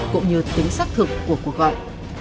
cũng như tính xác thực của cuộc gọi